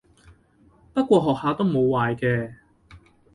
不過學下都冇壞嘅